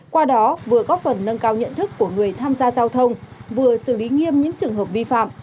qua đó vừa góp phần nâng cao nhận thức của người tham gia giao thông vừa xử lý nghiêm những trường hợp vi phạm